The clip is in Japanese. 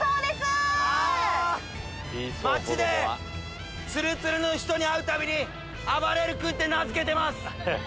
街でつるつるの人に会うたびに「あばれる君」って名付けてます。